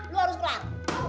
lo harus berang